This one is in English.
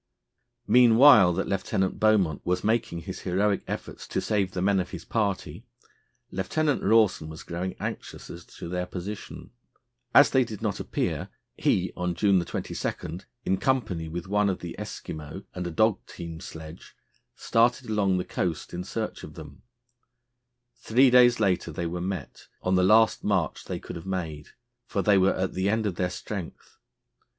Meanwhile that Lieutenant Beaumont was making his heroic efforts to save the men of his party, Lieutenant Rawson was growing anxious as to their position. As they did not appear, he, on June 22, in company with one of the Eskimo and a dog team sledge, started along the coast in search of them. Three days later they were met on the last march they could have made, for they were at the end of their strength.